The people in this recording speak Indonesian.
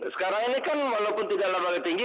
sekarang ini kan walaupun tidak lembaga tertinggi